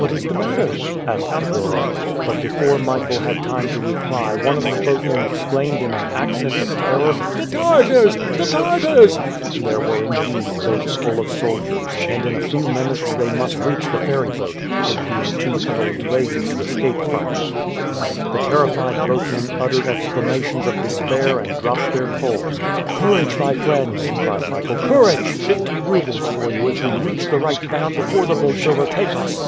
"What is the matter?" asked the girl. But before Michael had time to reply one of the boatmen exclaimed in an accent of terror: "The Tartars! the Tartars!" There were indeed boats full of soldiers, and in a few minutes they must reach the ferryboat, it being too heavily laden to escape from them. The terrified boatmen uttered exclamations of despair and dropped their poles. "Courage, my friends!" cried Michael; "courage! Fifty roubles for you if we reach the right bank before the boats overtake us."